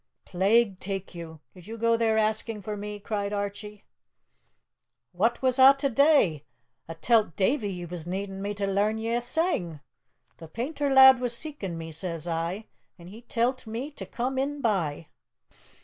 "Plague take you! did you go there asking for me?" cried Archie. "What was a to dae? A tell't Davie ye was needin' me to lairn ye a sang! 'The painter lad was seekin' me,' says I, 'an' he tell't me to come in by.'"